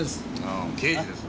あ刑事です。